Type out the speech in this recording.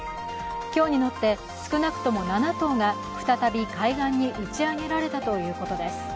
今日になって少なくとも７頭が再び海岸に打ち上げられたということです。